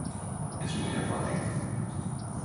Es muy acuática.